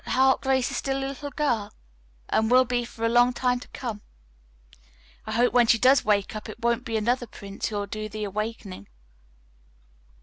"At heart, Grace is still a little girl, and will be for a long time to come. I hope when she does wake up it won't be another prince who will do the awakening."